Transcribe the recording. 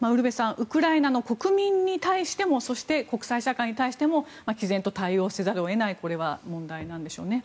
ウクライナの国民に対してもそして国際社会に対してもきぜんと対応せざるを得ないこれは問題なんでしょうね。